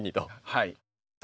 はい。